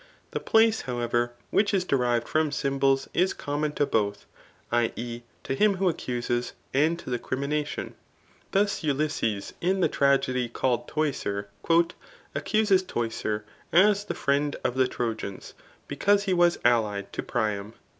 The place, however, which is derived from symbols, is common to both [i. e. to him who accuses, and to the crimination.] Thus Ulysses [in the tragedy called Teucer,] " accuses Teucer [as the friend of the Trojans,] because he was allied to Priam.